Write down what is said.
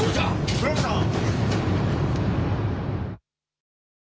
黒木さん！